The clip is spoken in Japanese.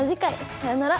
さようなら。